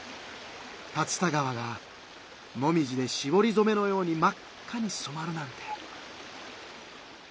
竜田川がもみじでしぼりぞめのようにまっ赤にそまるなんて」。